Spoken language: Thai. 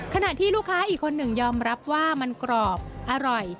ขณะที่ลูกค้าอีกคนหนึ่งยอมรับว่ามันกรอบอร่อย